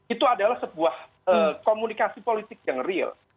itu adalah sebuah komunikasi politik yang real